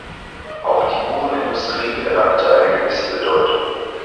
Auch die Uhrenindustrie erlangte eine gewisse Bedeutung.